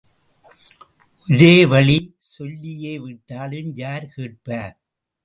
ஒரோவழி சொல்லியேவிட்டாலும் யார் கேட்பார்?